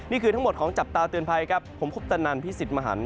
นี่คือทั้งหมดของจับตาเตือนไพรกับผมคุกตะนันพี่สิจหมะฮัน